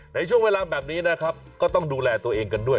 ในช่วงเวลาแบบนี้นะครับก็ต้องดูแลตัวเองกันด้วย